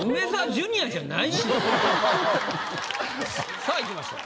さあいきましょう。